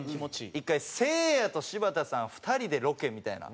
１回せいやと柴田さん２人でロケみたいな。